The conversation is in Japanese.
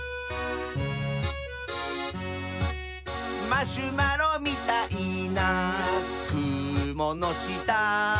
「マシュマロみたいなくものした」